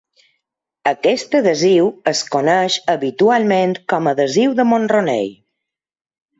Aquesta adhesiu es coneix habitualment com "adhesiu de Monroney".